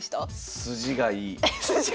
筋がいい！